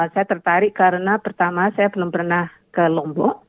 saya tertarik karena pertama saya belum pernah ke lombok